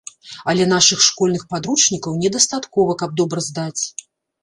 Але нашых школьных падручнікаў не дастаткова, каб добра здаць.